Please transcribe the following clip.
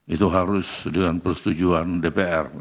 itu harus dengan persetujuan dpr